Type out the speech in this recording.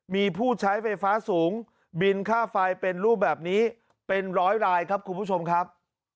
มีผู้ใช้ไฟฟ้าสูงบินค่าไฟเป็นรูปแบบนี้เป็นร้อยรายครับคุณผู้ชมครับ